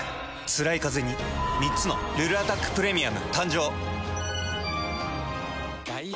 つらいカゼに３つの「ルルアタックプレミアム」誕生。